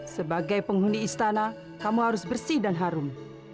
sebagai penghuni istana kamu harus bersih dan harum